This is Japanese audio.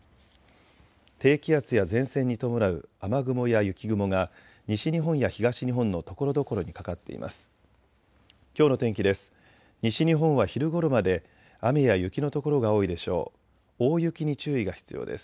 低気圧や前線に伴う雨雲や雪雲が西日本や東日本のところどころにかかっています。